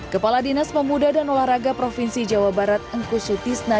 kepala dinas pemuda dan olahraga provinsi jawa barat engku sutisna